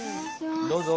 どうぞ。